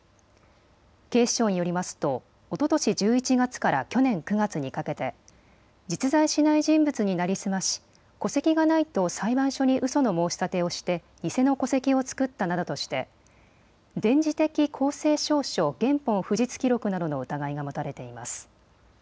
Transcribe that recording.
警視庁によりますとおととし１１月から去年９月にかけて実在しない人物に成り済まし戸籍がないと裁判所にうその申し立てをして偽の戸籍を作ったなどとして電磁的公正証書原本不実記録などの疑いが持たれています。